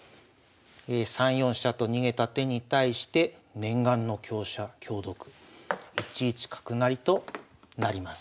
３四飛車と逃げた手に対して念願の香車香得１一角成となります。